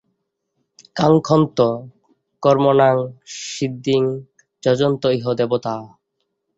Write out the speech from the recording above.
কাঙ্ক্ষন্ত কর্মণাং সিদ্ধিং যজন্ত ইহ দেবতাঃ।